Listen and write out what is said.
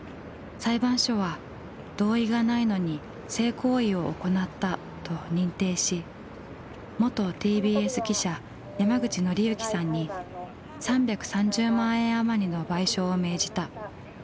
裁判所は「同意がないのに性行為を行った」と認定し元ＴＢＳ記者山口敬之さんに３３０万円余りの賠償を命じた。